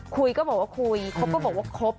ก็บอกว่าคุยครบก็บอกว่าครบ